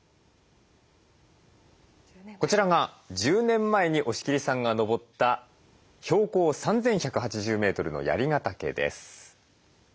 こちらが１０年前に押切さんが登った標高３，１８０メートルの槍ヶ岳です。